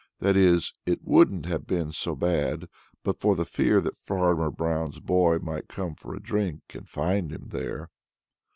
That is, it wouldn't have been so bad but for the fear that Farmer Brown's boy might come for a drink and find him there.